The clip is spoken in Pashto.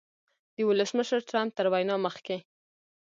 د ولسمشر ټرمپ تر وینا مخکې